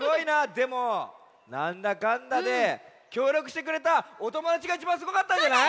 でもなんだかんだできょうりょくしてくれたおともだちがいちばんすごかったんじゃない？